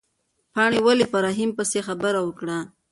پاڼې ولې په رحیم پسې خبره وکړه؟